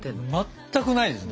全くないですね。